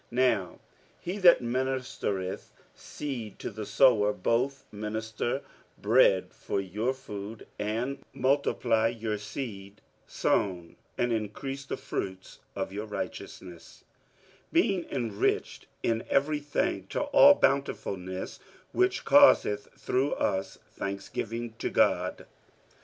47:009:010 Now he that ministereth seed to the sower both minister bread for your food, and multiply your seed sown, and increase the fruits of your righteousness;) 47:009:011 Being enriched in every thing to all bountifulness, which causeth through us thanksgiving to God.